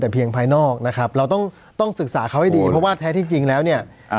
เพราะว่าแท้ที่จริงแล้วเนี่ย